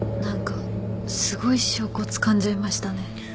何かすごい証拠つかんじゃいましたね。